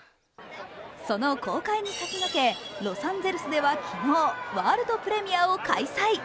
その公開に先駆けロサンゼルスでは昨日、ワールドプレミアを開催。